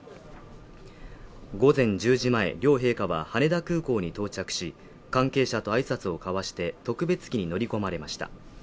午前１０時前両陛下は羽田空港に到着し関係者とあいさつを交わして特別機に乗り込まれました